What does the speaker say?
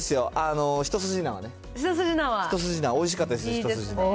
一筋縄、おいしかったです。